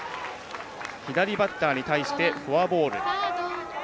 左バッターに対してフォアボール。